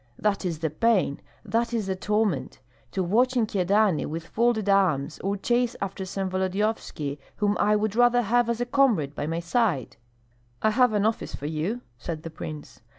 "That is the pain, that is the torment, to watch in Kyedani with folded arms, or chase after some Volodyovski whom I would rather have as a comrade by my side." "I have an office for you," said the prince.